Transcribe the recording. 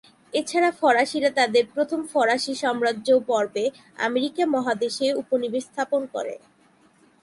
এছাড়া ফরাসিরা তাদের প্রথম ফরাসি সাম্রাজ্য পর্বে আমেরিকা মহাদেশে উপনিবেশ স্থাপন করে।